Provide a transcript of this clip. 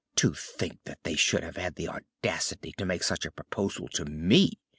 To think that they should have had the audacity to make such a proposal to me!